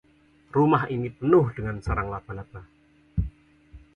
Rumah ini penuh dengan sarang laba-laba.